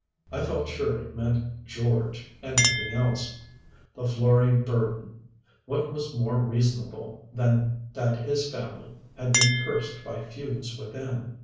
I felt sure it meant "George" and nothing else. "The Florey burden " what was more reasonable than that his family had been cursed by feuds within.